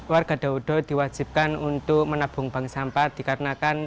warga dodo diwajibkan untuk menabung bang sampah